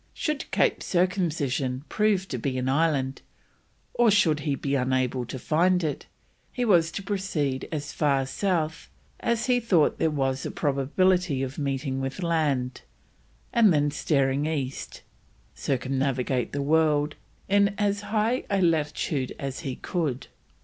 Should Cape Circumcision prove to be an island, or should he be unable to find it, he was to proceed as far south as he thought there was a probability of meeting with land, and then steering east, circumnavigate the world in as high a latitude as he could.